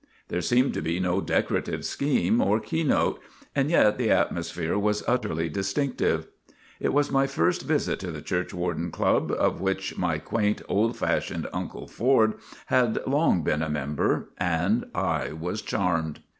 There seemed to be no decorative scheme or keynote, and yet the atmosphere was utterly distinctive. It was my first visit to the Church warden Club, of which my quaint, old fashioned Uncle Ford had long been a member, and I was charmed.